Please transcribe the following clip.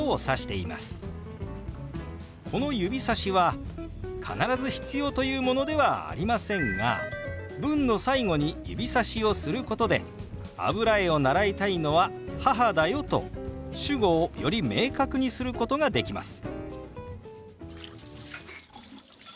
この指さしは必ず必要というものではありませんが文の最後に指さしをすることで「油絵を習いたいのは母だよ」と主語をより明確にすることができます。